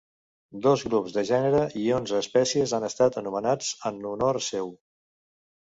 Dos grups de gènere i onze espècies han estat anomenats en honor seu.